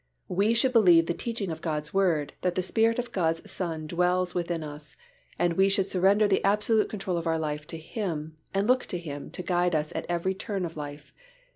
We should believe the teaching of God's Word that the Spirit of God's Son dwells within us and we should surrender the absolute control of our life to Him and look to Him to guide us at every turn of life.